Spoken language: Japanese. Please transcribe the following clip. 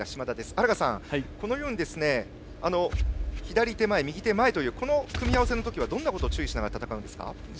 荒賀さん、このように左手が前、右手が前というこの組み合わせの時どんなところを注意しながら戦うんですか。